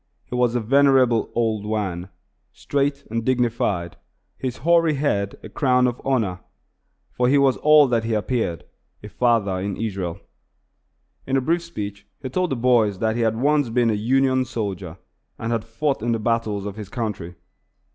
He was a venerable old Wan, straight and dignified, his hoary head a crown of honor; for he was all that he appeared a father in Israel. In a brief speech he told the boys that he had once been a Union soldier, and had fought in the battles of his country.